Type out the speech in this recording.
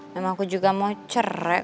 memang aku juga mau cerai